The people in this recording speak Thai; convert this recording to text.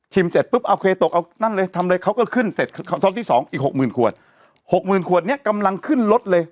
ชิมเสร็จปุ๊บโอเคตกเอานั่นเลยทำเลยเขาก็ขึ้นเสร็จของที่๒อีก๖๐๐๐๐ขวด๖๐๐๐๐ขวดเนี่ยกำลังขึ้นรถเลย